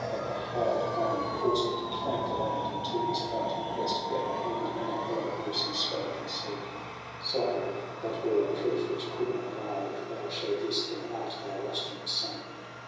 That the hard iron corslet clank'd aloud; And to his heart he press'd the other hand, And in a hollow voice he spake, and said :—* Sohrab, that were a proof which could not lie ! If thou show this, then art thou Rustum's son.'